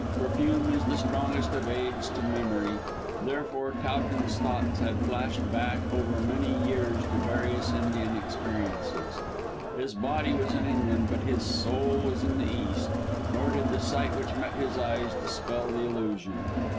Perfume is the strongest of aids to memory, therefore Towton's thoughts had flashed back over many years to various Indian experiences. His body was in England, but his soul was in the East: nor did the sight which met his eyes dispel the illusion.